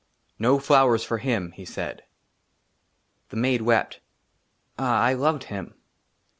NO FLOWERS FOR HIM," HE SAID. THE MAID WEPT :" AH, I LOVED HIM."